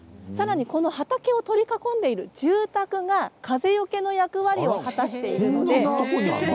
畑を取り囲んでいる住宅が風よけの役割を果たしているんです。